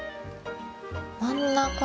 真ん中を。